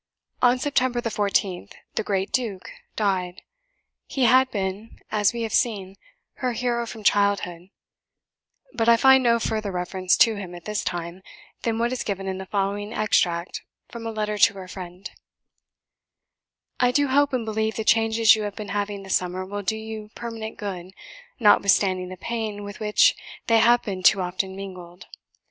On September the 14th the "great duke" died. He had been, as we have seen, her hero from childhood; but I find no further reference to him at this time than what is given in the following extract from a letter to her friend: "I do hope and believe the changes you have been having this summer will do you permanent good, notwithstanding the pain with which they have been too often mingled.